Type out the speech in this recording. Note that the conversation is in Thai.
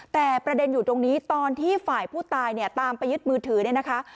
แต่ประเด็นอยู่ตรงนี้ตอนที่ฝ่ายผู้ตายเนี่ยตามไปยึดมือถือเนี่ยนะคะ